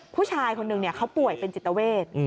ผู้ชายคนหนึ่งเขาป่วยเป็นจิตเวท